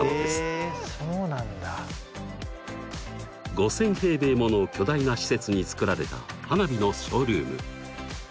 ５，０００平米もの巨大な施設に作られた花火のショールーム！